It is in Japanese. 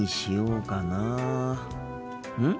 うん？